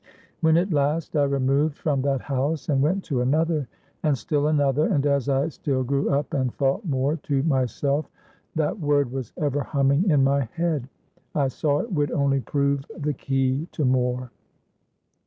When at last I removed from that house and went to another, and still another, and as I still grew up and thought more to myself, that word was ever humming in my head, I saw it would only prove the key to more.